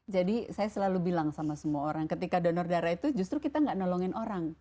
jadi saya selalu bilang sama semua orang ketika donor darah itu justru kita gak nolongin orang